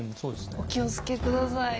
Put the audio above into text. お気をつけ下さい。